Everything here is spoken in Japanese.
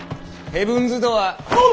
ヘブンズ・ドアー。